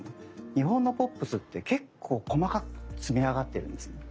日本のポップスって結構細かく積み上がってるんですね。